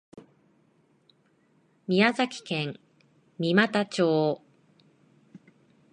宮崎県三股町